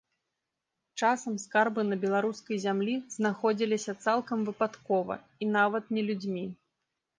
Часам скарбы на беларускай зямлі знаходзіліся цалкам выпадкова, і нават не людзьмі.